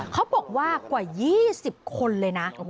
เขาบอกว่ากว่า๒๐คนเลยนะ